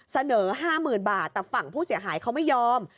เสนอ๕๐๐๐บาทแต่ฝั่งผู้เสียหายเขาไม่ยอม